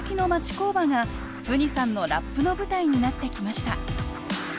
工場がＦＵＮＩさんのラップの舞台になってきました